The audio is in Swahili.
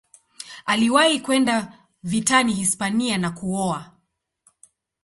Aliwahi kwenda vitani Hispania na kuoa.